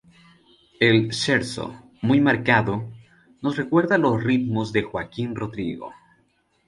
El "scherzo", muy marcado, nos recuerda los ritmos de Joaquín Rodrigo.